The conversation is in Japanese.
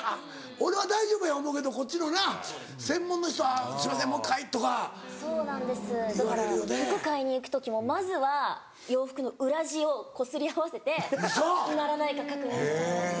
俺は大丈夫や思うけどこっちのな専門の人は「すいませんもう一回」とか。そうなんですだから服買いに行く時もまずは洋服の裏地をこすり合わせて鳴らないか確認しちゃいます。